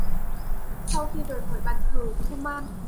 Sau khi rời khỏi bàn thờ của kuman